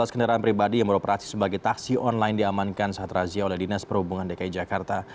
dua belas kendaraan pribadi yang beroperasi sebagai taksi online diamankan saat razia oleh dinas perhubungan dki jakarta